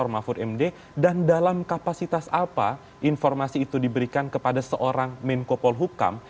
mahfud md dan dalam kapasitas apa informasi itu diberikan kepada seorang menko polhukam